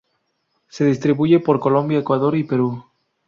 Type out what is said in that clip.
Se distribuye por Colombia, Ecuador y Perú.